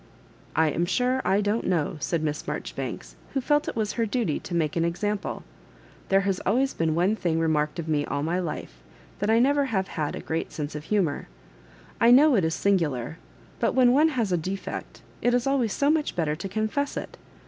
I am sure I don't know," said Miss Marjori banks, who felt it was her duty to make an example ; there has always been one thing re marked of me all my life, that I never have had a great sense of humour. I know it is singular, but when one has a defect, it is always so much better to confess it.